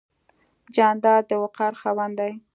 جانداد د وقار خاوند دی.